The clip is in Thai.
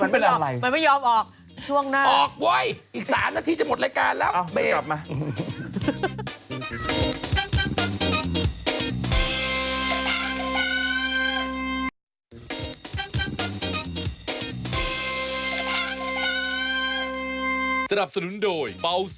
มันไม่ยอมออกช่วงหน้าออกเว้ย